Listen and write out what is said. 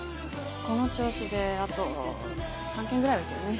この調子であと３件ぐらいは行けるね。